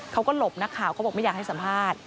เขาก็หลบนักข่าวเขาบอกไม่อยากให้สัมภาษณ์